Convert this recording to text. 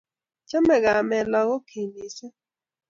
Chamei kamet lakokyin mising